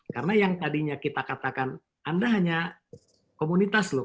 karena yang tadinya kita katakan anda hanya komunitas loh